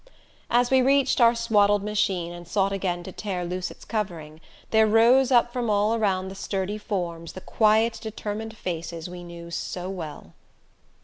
As we reached our swaddled machine, and sought again to tear loose its covering, there rose up from all around the sturdy forms, the quiet determined faces we knew so well.